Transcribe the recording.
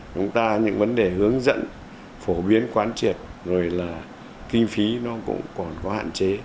chúng ta những vấn đề hướng dẫn phổ biến quán triệt rồi là kinh phí nó cũng còn có hạn chế